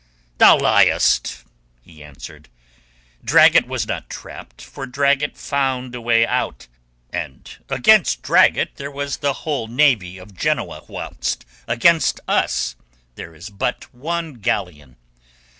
"Thou liest," he answered. "Dragut was not trapped, for Dragut found a way out. And against Dragut there was the whole navy of Genoa, whilst against us there is but one single galleon.